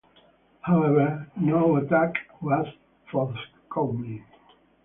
However, no attack was forthcoming.